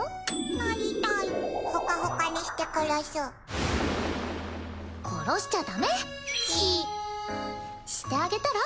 なりたいホカホカにして殺す殺しちゃダメしてあげたら？